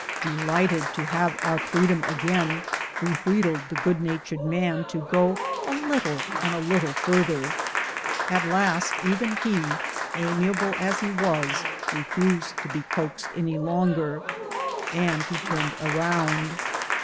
Deliglited to have our freedom again, we wheedled the good natured man to go a "little and a little further." At last even lie, amiable as he was, re fused to be coaxed any longer, and he turned around.